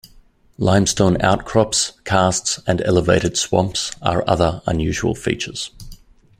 Limestone outcrops, karsts and elevated swamps are other unusual features.